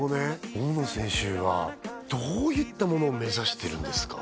大野選手はどういったものを目指してるんですか？